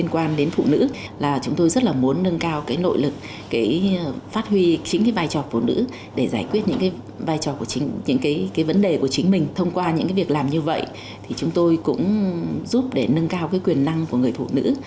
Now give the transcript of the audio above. những cái vấn đề của chính mình thông qua những cái việc làm như vậy thì chúng tôi cũng giúp để nâng cao cái quyền năng của người phụ nữ